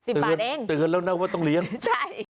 ๑๐บาทเองจริงแล้วน่าว่าต้องเลี้ยงใช่